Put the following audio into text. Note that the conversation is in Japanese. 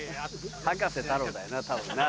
葉加瀬太郎だよな多分な。